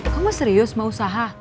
kamu serius mau usaha